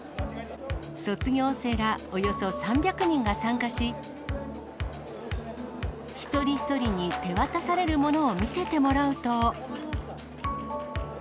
卒業生らおよそ３００人が参加し、一人一人に手渡されるものを見せてもらうと。